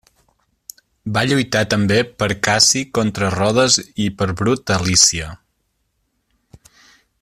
Va lluitar també per Cassi contra Rodes i per Brut a Lícia.